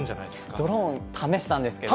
ドローン試したんですけど。